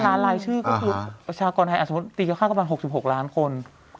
๕๕ล้านรายชื่อก็คือก็คือประชากรไทยอ่ะสมมุติตรีค่ากระบวน๖๖ล้านคน